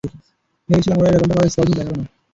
ভেবেছিলাম, ওরা এরকমটা করার স্পর্ধা দেখাবে না।